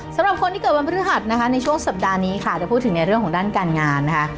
สำหรับคนที่เกิดวันพฤหัสนะคะในช่วงสัปดาห์นี้ค่ะจะพูดถึงในเรื่องของด้านการงานนะคะ